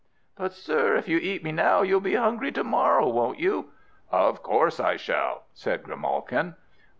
"But, sir, if you eat me now, you'll be hungry to morrow, won't you?" "Of course I shall!" said Grimalkin.